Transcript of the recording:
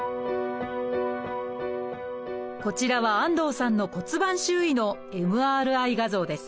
こちらは安藤さんの骨盤周囲のＭＲＩ画像です。